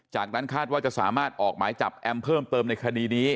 จากนั้นคาดว่าจะสามารถออกหมายจับแอมเพิ่มเติมในคดีนี้